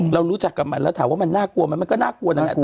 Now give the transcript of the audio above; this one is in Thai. เรารู้จักกับมันแล้วถามว่ามันน่ากลัวไหมมันก็น่ากลัวนั่นแหละ